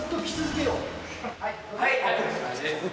はい。